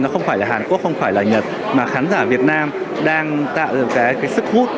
nó không phải là hàn quốc không phải là nhật mà khán giả việt nam đang tạo ra cái sức hút